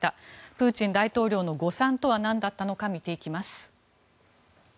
プーチン大統領の誤算とはなんだったのか見ていきます。